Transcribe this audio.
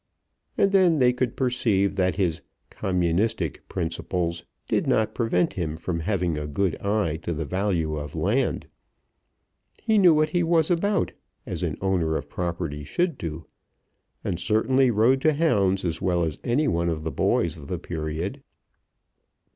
And then they could perceive that his "Communistic" principles did not prevent him from having a good eye to the value of land. He knew what he was about, as an owner of property should do, and certainly rode to hounds as well as any one of the boys of the period.